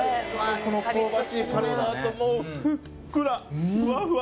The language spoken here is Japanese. この香ばしいカリッのあともうふっくらふわふわ！